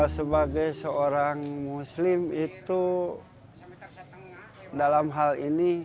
sebagai seorang muslim itu dalam hal ini